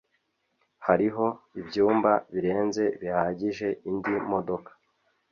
Hariho ibyumba birenze bihagije indi modoka.